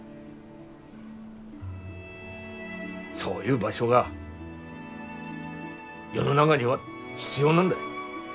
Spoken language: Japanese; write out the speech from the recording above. そういう場所が世の中には必要なんだ。